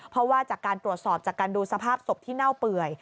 เพราะว่าจากการตรวจสอบจากการดูสภาพศพที่เน่าเปื่อย